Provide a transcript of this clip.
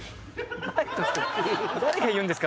誰が言うんですか？